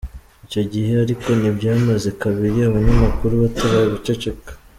Icyo gihe ariko ntibyamaze kabiri abanyamakuru batarabiceceka.